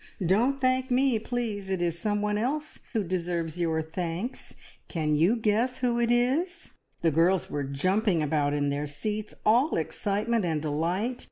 Don't thank me, please! It is someone else who deserves your thanks. Can you guess who it is?" The girls were jumping about in their seats, all excitement and delight.